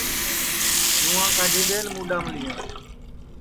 جُوںٚئا کاڈھی دؔئن مُڈؔا مِلیاں